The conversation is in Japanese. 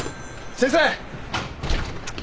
先生！